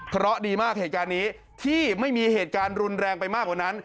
เพราะดีมากเหตุการณ์นี้ที่ไม่มีเหตุการณ์รุนแรงไปมากกว่านั้น